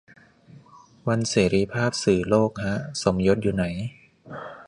วันเสรีภาพสื่อโลกฮะ สมยศอยู่ไหน